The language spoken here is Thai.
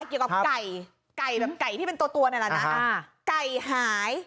เกี่ยวกับไก่เป็นแบบไก่เป็นตัวในละนะ